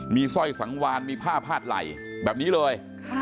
มีสร้อยสังวานมีผ้าพาดไหล่แบบนี้เลย